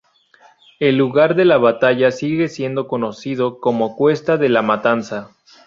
El lugar de la batalla sigue siendo conocido como Cuesta de la Matanza.